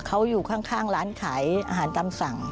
เขาอยู่ข้างร้านขายอาหารตามสั่ง